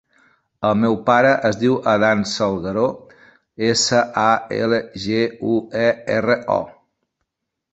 El meu pare es diu Adán Salguero: essa, a, ela, ge, u, e, erra, o.